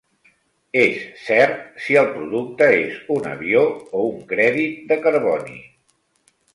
És cert si el producte és un avió o un crèdit de carboni.